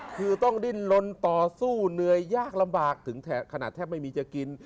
คือต้องดิ้นลนต่อสู้เหนื่อยยากลำบากถึงขนาดแทบไม่มีจะกิน